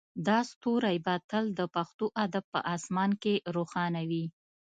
دا ستوری به تل د پښتو ادب په اسمان کې روښانه وي